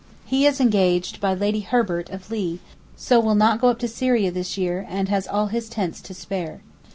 He is engaged by Lady Herbert of Lea, so will not go to Syria this year and has all his tents to spare.